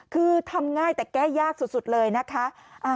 คือทำง่ายแต่แก้ยากสุดเลยนะคะ